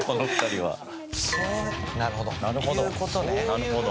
なるほど。